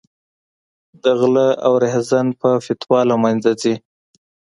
د غله او رحزن په فتوا له منځه ځي.